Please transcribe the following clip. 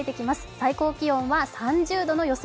最高気温は３０度の予想。